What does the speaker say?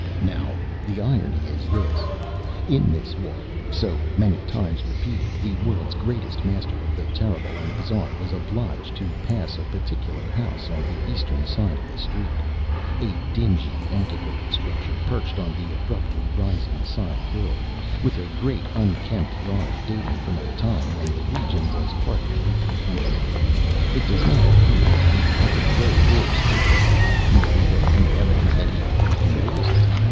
Now the irony is this. In this walk, so many times repeated, the world's greatest master of the terrible and the bizarre was obliged to pass a particular house on the eastern side of the street; a dingy, antiquated structure perched on the abruptly rising side hill, with a great unkempt yard dating from a time when the region was partly open country. It does not appear that he ever wrote or spoke of it, nor is there any evidence that he even noticed it.